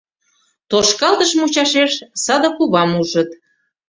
Тошкалтыш мучашеш саде кувам ужыт.